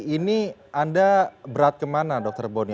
ini anda berat kemana dr boni